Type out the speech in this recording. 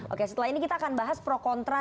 oke setelah ini kita akan bahas pro kontra